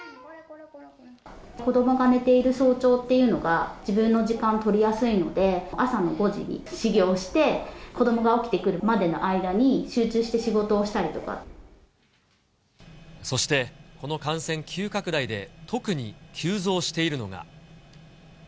子どもが寝ている早朝っていうのが、自分の時間を取りやすいので、朝の５時に始業して、子どもが起きてくるまでの間に、集中して仕そして、この感染急拡大で特に急増しているのが。